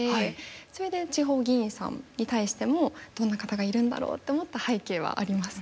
それで地方議員さんに対してもどんな方がいるんだろうって思った背景はあります。